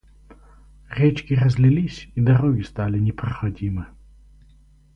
Речки разлились, и дороги стали непроходимы.